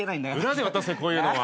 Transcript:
裏で渡せこういうのは。